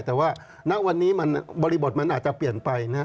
แต่ว่าณวันนี้มันบริบทมันอาจจะเปลี่ยนไปนะ